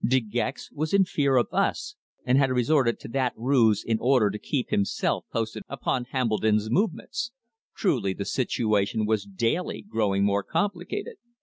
De Gex was in fear of us, and had resorted to that ruse in order to keep himself posted upon Hambledon's movements! Truly the situation was daily growing more complicated!